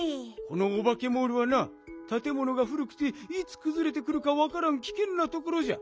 このオバケモールはなたてものがふるくていつくずれてくるかわからんきけんなところじゃ。